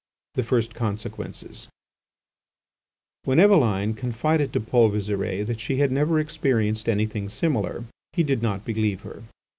THE FIRST CONSEQUENCES When Eveline confided to Paul Visire that she had never experienced anything similar, he did not believe her.